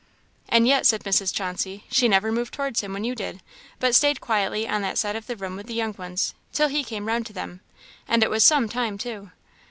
"And yet," said Mrs. Chauncey, "she never moved towards him when you did, but stayed quietly on that side of the room with the young ones, till he came round to them; and it was some time too."